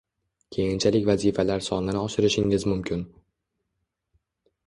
Keyinchalik vazifalar sonini oshirishingiz mumkin